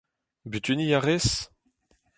Butuniñ a rez ?